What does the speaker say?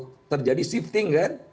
untuk terjadi shifting kan